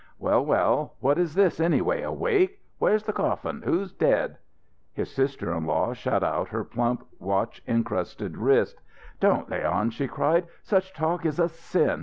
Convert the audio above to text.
"Well, well, what is this, anyway, a wake? Where's the coffin? Who's dead?" His sister in law shot out her plump, watch incrusted wrist. "Don't, Leon" she cried. "Such talk is a sin!